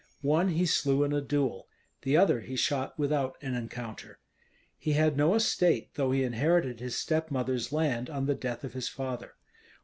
One he slew in a duel, the other he shot without an encounter. He had no estate, though he inherited his step mother's land on the death of his father.